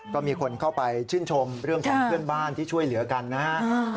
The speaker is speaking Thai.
ก็มีคนเข้าไปชื่นชมเรื่องของเพื่อนบ้านที่ช่วยเหลือกันนะครับ